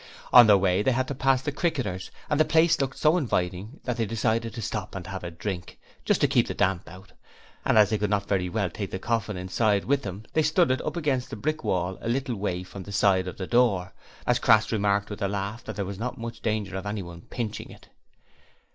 On their way they had to pass the 'Cricketers' and the place looked so inviting that they decided to stop and have a drink just to keep the damp out, and as they could not very well take the coffin inside with them, they stood it up against the brick wall a little way from the side of the door: as Crass remarked with a laugh, there was not much danger of anyone pinching it.